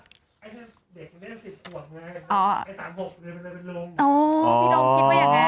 พี่ดมคิดว่าอย่างนั้น